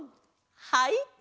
はい！